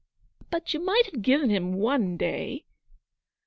'But you might have given him one day.'